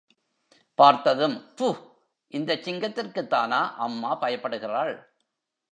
பார்த்ததும், ப்பூ, இந்தச் சிங்கத்திற்குத் தானா அம்மா பயப்படுகிறாள்!